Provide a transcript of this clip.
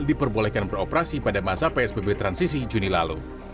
diperbolehkan beroperasi pada masa psbb transisi juni lalu